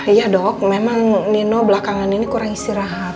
iya dok memang nino belakangan ini kurang istirahat